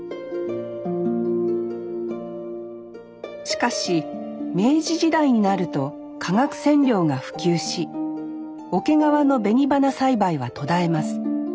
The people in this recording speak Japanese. しかし明治時代になると化学染料が普及し桶川の紅花栽培は途絶えます。